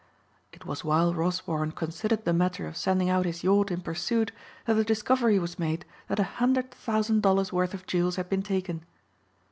It was while Rosewarne considered the matter of sending out his yacht in pursuit that the discovery was made that a hundred thousand dollars worth of jewels had been taken.